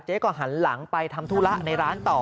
หันหลังไปทำธุระในร้านต่อ